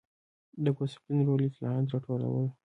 د ګوسپلین رول اطلاعات راټولول و.